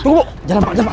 tunggu mbak jalan pak